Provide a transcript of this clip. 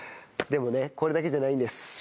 でもねこれだけじゃないんです。